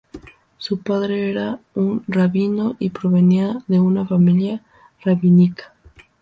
Su padre era un rabino y provenía de una familia rabínica.